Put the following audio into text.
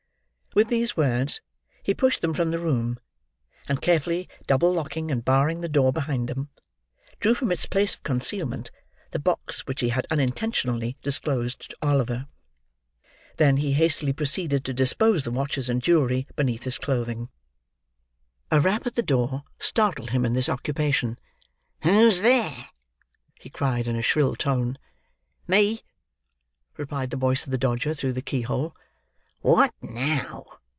With these words, he pushed them from the room: and carefully double locking and barring the door behind them, drew from its place of concealment the box which he had unintentionally disclosed to Oliver. Then, he hastily proceeded to dispose the watches and jewellery beneath his clothing. A rap at the door startled him in this occupation. "Who's there?" he cried in a shrill tone. "Me!" replied the voice of the Dodger, through the key hole. "What now?"